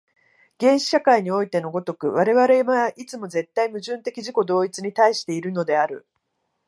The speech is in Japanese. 原始社会においての如く、我々はいつも絶対矛盾的自己同一に対しているのである。